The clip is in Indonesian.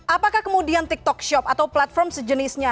apakah kemudian tiktok shop atau platform sejenisnya